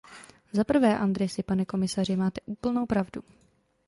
Zaprvé, Andrisi, pane komisaři, máte úplnou pravdu.